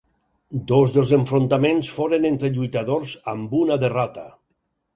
Dos dels enfrontaments foren entre lluitadors amb una derrota.